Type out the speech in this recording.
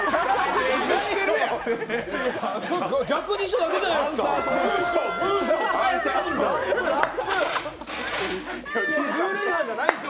逆にしただけじゃないですか。